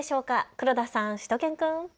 黒田さん、しゅと犬くん。